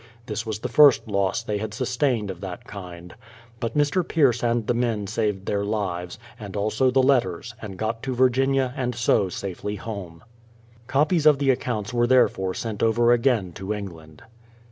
This was the first loss they had sustained of that THE PLYIMOUTH SETTLEMENT 245 kind. But Mr. Pierce and the men saved their Hves, and also the letters, and got to Virginia and so safely home. Copies of the accounts were therefore sent over again to England.